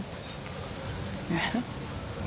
えっ？